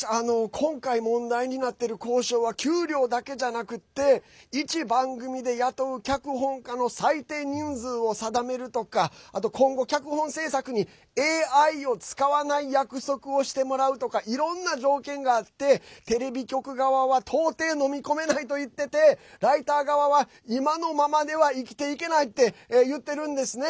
今回、問題になっている交渉は給料だけじゃなくて１番組で雇う脚本家の最低人数を定めるとか今後、脚本制作にＡＩを使わない約束をしてもらうとかいろんな条件があってテレビ局側は到底のみ込めないと言っててライター側は今のままでは生きていけないって言ってるんですね。